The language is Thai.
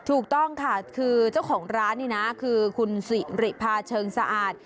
ถูกต้องค่ะคือเจ้าของร้านนี่นะคือคุณสิริพาเชิงสะอาด